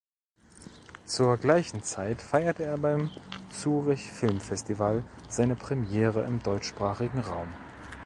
Zur gleichen Zeit feierte er beim Zurich Film Festival seine Premiere im deutschsprachigen Raum.